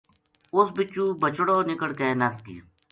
اُ س بِچو بچڑو نکڑ کے نس گیو